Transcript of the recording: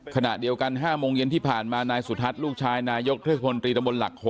ขณะเดียวกัน๕โมงเย็นที่ผ่านมานายสุทัศน์ลูกชายนายกเทศมนตรีตำบลหลัก๖